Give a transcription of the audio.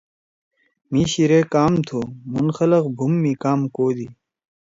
مھی شیِرے کام تُھو۔ مُھن خلگ بُھوم می کام کودی۔